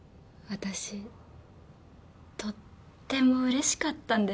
私とってもうれしかったんです。